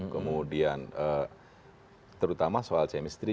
kemudian terutama soal kemistri